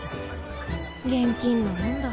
現金なもんだ。